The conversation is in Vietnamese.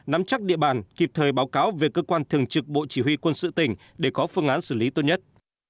nắm chắc địa bàn kịp thời báo cáo về cơ quan thường trực bộ chỉ huy quân sự tỉnh để có phương án xử lý tốt nhất